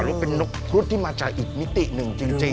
หรือเป็นนกครุฑที่มาจากอีกมิติหนึ่งจริง